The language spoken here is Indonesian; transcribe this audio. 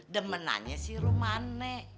dan menanya si romana